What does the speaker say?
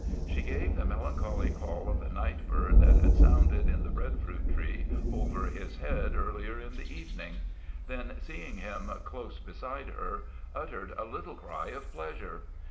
She gave the melancholy call of the night bird that had sounded in the breadfruit tree over his head earlier in the evening; then, seeing him close beside her, uttered a little cry of pleasure.